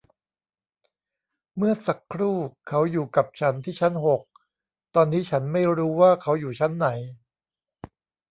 เมื่อสักครู่เขาอยู่กับฉันที่ชั้นหก ตอนนี้ฉันไม่รู้ว่าเขาอยู่ชั้นไหน